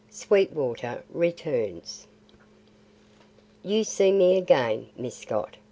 SWEETWATER RETURNS "You see me again, Miss Scott.